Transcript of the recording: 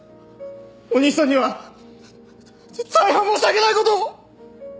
お兄さんには大変申し訳ない事を！